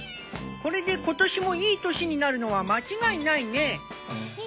これで今年もいい年になるのは間違いないね。